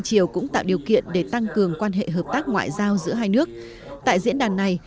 chiều cũng tạo điều kiện để tăng cường quan hệ hợp tác ngoại giao giữa hai nước tại diễn đàn này